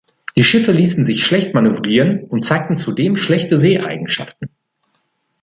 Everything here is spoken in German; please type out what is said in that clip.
Die Schiffe ließen sich schlecht manövrieren und zeigten zudem schlechte Seeeigenschaften.